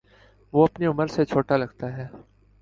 وہ اپنی عمر سے چھوٹا لگتا ہے